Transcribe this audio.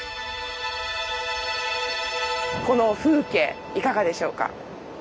この風景いかがでしょうか？